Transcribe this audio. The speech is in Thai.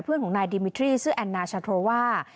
เพื่อนของนายดิมิทรี่ชื่อแอนนาชาโครว่า